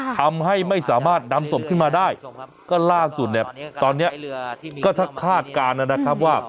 ทำให้ไม่สามารถนำศพขึ้นมาได้ก็ล่าสุดเนี่ยตอนเนี้ยก็ถ้าคาดการณ์นะครับว่า